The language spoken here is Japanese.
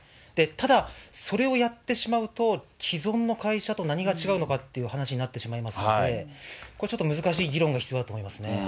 ただ、それをやってしまうと、既存の会社と何が違うのかっていう話になってしまいますので、これ、ちょっと難しい議論が必要だと思いますね。